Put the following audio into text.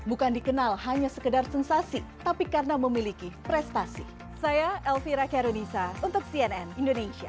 bukan dikenal hanya sekedar sensasi tapi karena memiliki prestasi